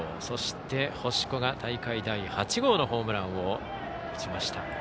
そして、星子が大会第８号のホームランを打ちました。